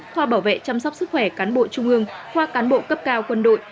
khoa bảo vệ chăm sóc sức khỏe cán bộ trung ương khoa cán bộ cấp cao quân đội